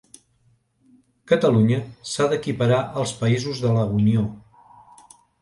Catalunya s'ha d'equiparar als països de la Unió.